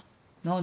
何？